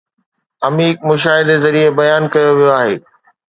عميق مشاهدي ذريعي بيان ڪيو ويو آهي